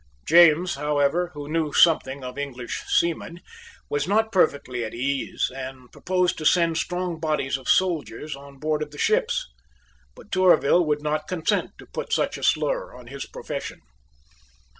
James, however, who knew something of English seamen, was not perfectly at ease, and proposed to send strong bodies of soldiers on board of the ships. But Tourville would not consent to put such a slur on his profession.